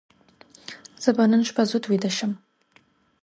زه به نن شپه زود ویده شم.